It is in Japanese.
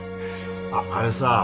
あっあれさ